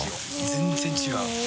・全然違う。